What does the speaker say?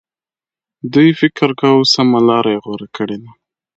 دوی فکر کاوه سمه لار یې غوره کړې ده.